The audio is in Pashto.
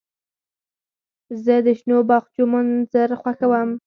زه د شنو باغچو منظر خوښوم.